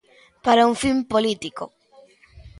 Para un fin político.